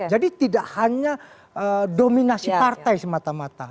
jadi tidak hanya dominasi partai semata mata